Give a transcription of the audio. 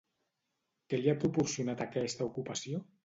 Què li ha proporcionat aquesta ocupació?